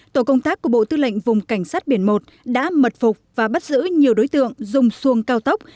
tổ công tác của bộ tư lệnh vùng cảnh sát biển một đã mật phục và bắt giữ nhiều đối tượng dùng xuồng cao tốc